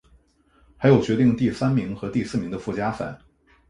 还有决定第三名和第四名的附加赛。